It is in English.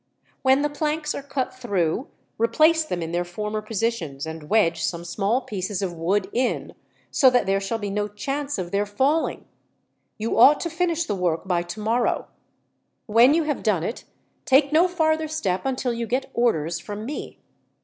"When the planks are cut through, replace them in their former positions, and wedge some small pieces of wood in, so that there shall be no chance of their falling. You ought to finish the work by tomorrow. When you have done it, take no farther step until you get orders from me.